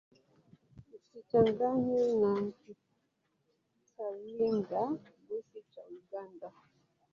Isichanganywe na Kitalinga-Bwisi cha Uganda.